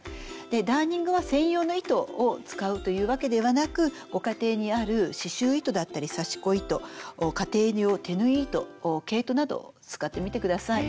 ダーニングは専用の糸を使うというわけではなくご家庭にある刺しゅう糸だったり刺し子糸家庭用手縫い糸毛糸など使ってみてください。